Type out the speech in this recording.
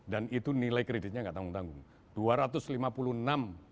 dan itu nilai kreditnya gak tanggung tanggung